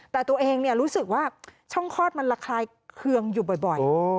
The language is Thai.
แต่ตัวเองรู้สึกว่าช่องคลอดมันระคลายเคืองอยู่บ่อย